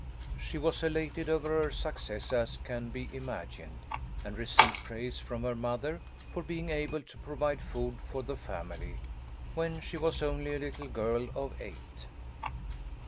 She was elated over her success, as can be imagined, and received praise from her mother for being able to provide food for the family, when she was only a little girl of eight.